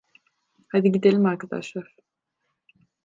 Hadi gidelim arkadaşlar.